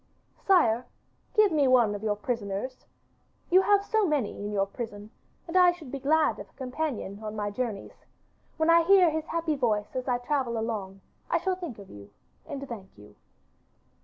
'Sire, give me one of your prisoners. You have so many in your prison, and I should be glad of a companion on my journeys. When I hear his happy voice as I travel along I shall think of you and thank you.